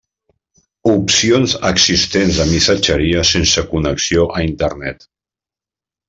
Opcions existents de missatgeria sense connexió a Internet.